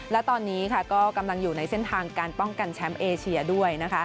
และตอนนี้ก็กำลังอยู่ในเส้นทางการป้องกันแชมป์เอเชียด้วยนะคะ